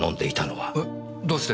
えどうして？